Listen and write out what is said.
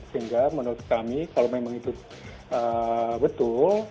sehingga menurut kami kalau memang itu betul